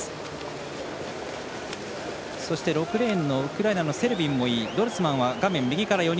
そして、６レーンのウクライナのセルビンもいい。